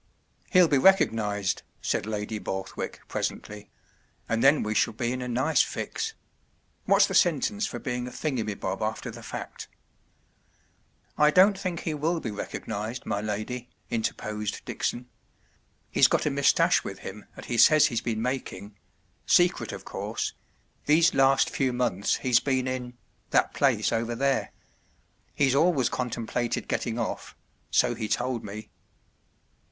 “ He’ll be recognized,” said Lady Borth wick, presently. “ And then we shall be in a nice fix. What’s the sentence for being a thingummybob after the fact ? ” “ I don’t think he will be recognized, my lady,” interposed Dickson. “ He’s got a moustache with him that he says he’s been making—secret, of course—these last few months he’s been in—that place over there. He’s always contemplated getting off—so he told me.